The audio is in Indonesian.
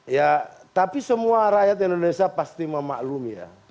ya tapi semua rakyat indonesia pasti memaklumi ya